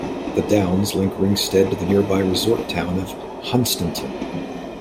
The downs link Ringstead to the nearby resort town of Hunstanton.